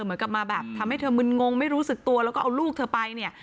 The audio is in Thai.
เหมือนกับมาแบบทำให้เธอมึนงงไม่รู้สึกตัวแล้วก็เอาลูกเธอไปเนี่ย